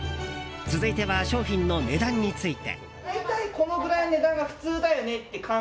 続いては商品の値段について。